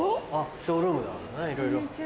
ショールームだもんないろいろ。